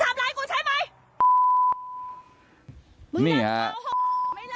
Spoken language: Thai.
ไอ้โกค